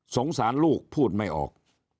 สงสารลูกพูดไม่ออก